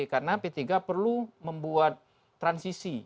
karena p tiga perlu membuat transisi